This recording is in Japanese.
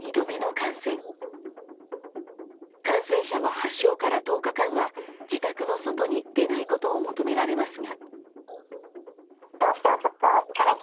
感染者は発症から１０日間は自宅の外に出ないことを求められますが。